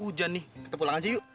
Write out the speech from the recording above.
hujan nih kita pulang aja yuk